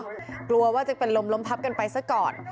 กลัวว่าจะเป็นลมล้มพับกันไปซะก่อน